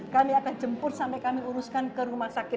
kami akan jemput sampai kami uruskan ke rumah sakit